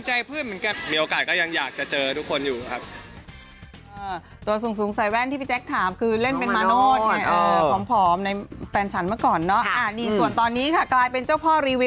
ดีเหมือนเดิมแล้วก็แบบยังน่ารักเหมือนเดิมอะไรอย่างเงี้ยครับ